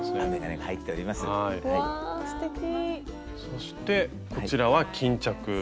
そしてこちらは巾着。